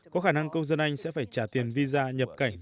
có khả năng công dân anh sẽ phải trả tiền visa nhập cảnh